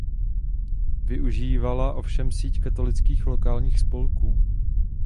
Využívala ovšem síť katolických lokálních spolků.